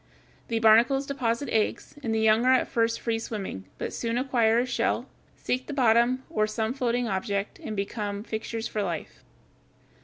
The barnacles deposit eggs, and the young are at first free swimming, but soon acquire a shell, seek the bottom, or some floating object, and become fixtures for life.